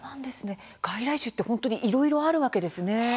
外来種って本当にいろいろあるんですね。